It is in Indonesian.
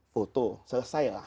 foto selesai lah